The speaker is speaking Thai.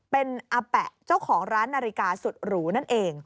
เป็นอาแปะเจ้าของร้านนาฬิกาสุดหรูนั่นเอง